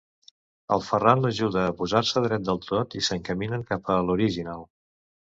El Ferran l'ajuda a posar-se dret del tot i s'encaminen cap a l'Horiginal.